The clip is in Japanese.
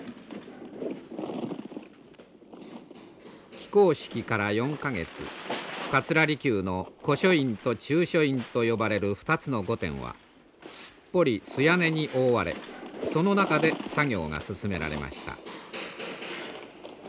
起工式から４か月桂離宮の古書院と中書院と呼ばれる２つの御殿はすっぽり素屋根に覆われその中で作業が進められました。